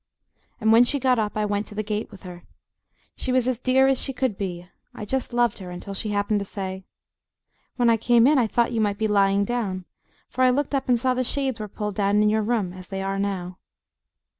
And when she got up I went to the gate with her. She was as dear as she could be; I just loved her until she happened to say: "When I came in I thought you might be lying down, for I looked up and saw the shades were pulled down in your room, as they are now."